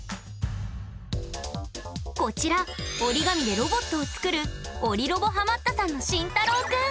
こちら折り紙でロボットを作る折りロボハマったさんのしんたろうくん！